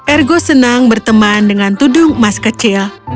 ergo senang berteman dengan tudung emas kecil